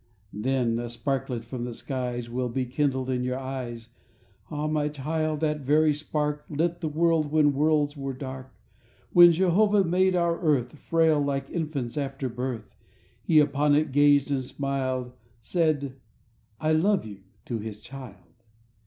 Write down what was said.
... Then a sparklet from the skies Will be kindled in your eyes, Ah, my child, that very spark Lit the world when worlds were dark. ... When Jehovah made our earth Frail like infants after birth, He upon it gazed and smiled, Said: "I love you" to his child.